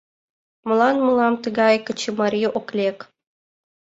Молан мылам тыгай качымарий ок лек?